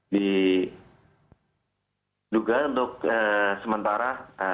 di duga untuk sementara